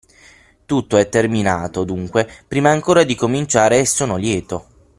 Tutto è terminato, dunque, prima ancora di cominciare e sono lieto.